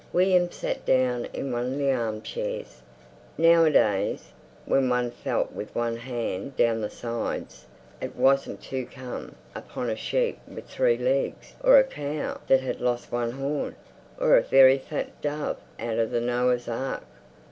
William sat down in one of the arm chairs. Nowadays, when one felt with one hand down the sides, it wasn't to come upon a sheep with three legs or a cow that had lost one horn, or a very fat dove out of the Noah's Ark.